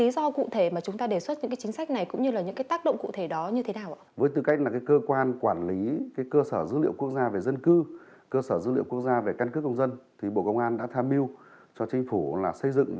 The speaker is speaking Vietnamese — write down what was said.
bổ sung thông tin lưu trữ trong cơ sở dữ liệu quốc gia về dân cư cơ sở dữ liệu căn cước công dân